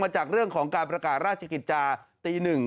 จากเรื่องของการประกาศราชกิจจาตี๑